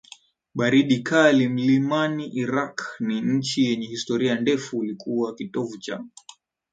baridi kali mlimaniIraq ni nchi yenye historia ndefu ilikuwa kitovu cha